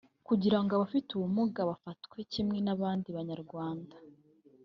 kugira ngo abafite ubumuga bafatwe kimwe n’abandi Banyarwanda